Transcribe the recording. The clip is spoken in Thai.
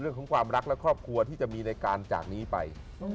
เรื่องของความรักและครอบครัวที่จะมีในการจากนี้ไป